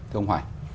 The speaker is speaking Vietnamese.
thưa ông hoài